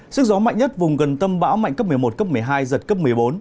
sức gió mạnh nhất vùng gần tâm bão mạnh cấp một mươi một cấp một mươi hai giật cấp một mươi bốn